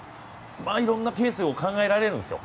いろんなケースが考えられるんですよ。